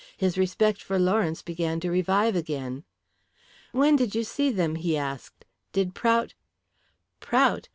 His respect for Lawrence began to revive again. "When did you see them?" he asked. "Did Prout " "Prout!